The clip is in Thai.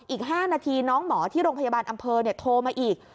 อีก๕นาทีน้องหมอที่โรงพยาบาลอำเภอโทรมาอีก